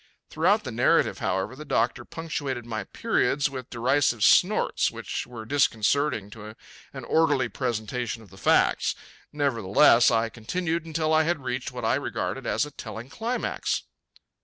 Throughout the narrative, however, the doctor punctuated my periods with derisive snorts which were disconcerting to an orderly presentation of the facts. Nevertheless, I continued until I had reached what I regarded as a telling climax.